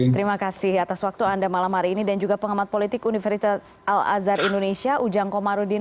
terima kasih atas waktu anda malam hari ini dan juga pengamat politik universitas al azhar indonesia ujang komarudin